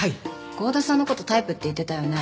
郷田さんの事タイプって言ってたよね？